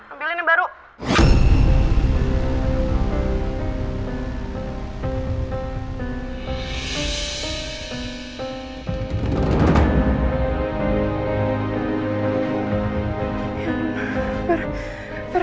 ambilin yang baru